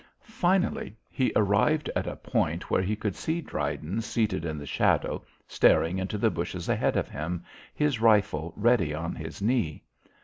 Finally he arrived at a point where he could see Dryden seated in the shadow, staring into the bushes ahead of him, his rifle ready on his knee.